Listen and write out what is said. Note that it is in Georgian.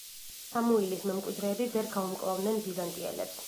სამუილის მემკვიდრეები ვერ გაუმკლავდნენ ბიზანტიელებს.